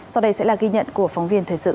sau đây sẽ là ghi nhận của phóng viên thời sự